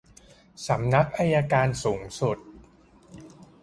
สำนักงานอัยการสูงสุด